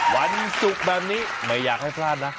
วันศุกร์แบบนี้ไม่อยากให้พลาดนะ